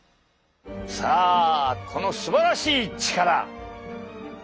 さあこのすばらしい力。